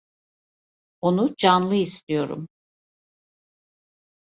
Onu canlı istiyorum.